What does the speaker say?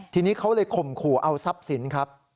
ทีนี้เขาเลยข่มขู่เอาทรัพย์สินครับ